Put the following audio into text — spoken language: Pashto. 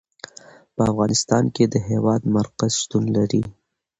په افغانستان کې د هېواد مرکز شتون لري.